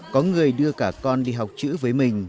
có người đưa cả con đi học chữ với mình